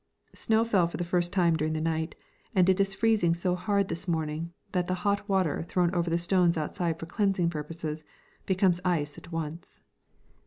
Snow fell for the first time during the night, and it is freezing so hard this morning that the hot water thrown over the stones outside for cleansing purposes becomes ice at once.